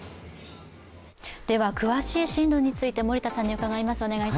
詳しい進路について森田さんに伺います。